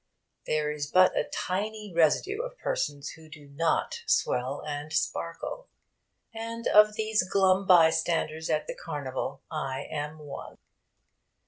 There is but a tiny residue of persons who do not swell and sparkle. And of these glum bystanders at the carnival I am one.